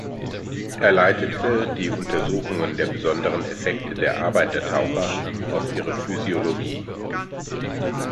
Er leitete die Untersuchungen der besonderen Effekte der Arbeit der Taucher auf ihre Physiologie.